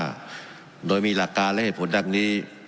หน่อยมีการและเหตุผลให้